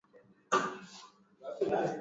Nikupe maji